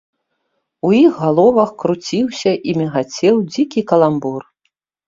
У іх галовах круціўся і мігацеў дзікі каламбур.